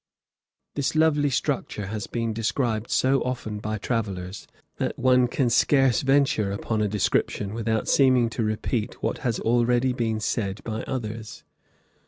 This lovely structure has been described so often by travellers that one can scarce venture upon a description without seeming to repeat what has already been said by others.